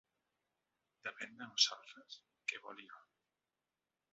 Depèn de nosaltres que voli alt.